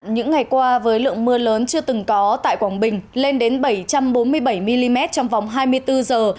những ngày qua với lượng mưa lớn chưa từng có tại quảng bình lên đến bảy trăm bốn mươi bảy mm trong vòng hai mươi bốn giờ